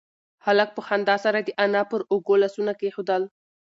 هلک په خندا سره د انا پر اوږو لاسونه کېښودل.